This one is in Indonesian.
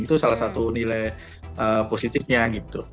itu salah satu nilai positifnya gitu